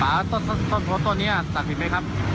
ป่าต้นตัวนี้ตัดผิดไหมครับ